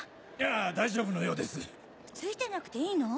あぁ大丈夫のようです。ついてなくていいの？